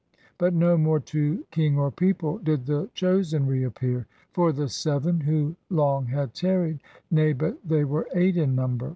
But no more to king or people Did the Chosen reappear. For the seven, who long had tarried, — Nay, but they were eight in number.